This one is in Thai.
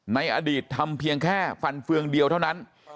ในอดีตทำเพียงแค่ฟันเฟืองเดียวเท่านั้น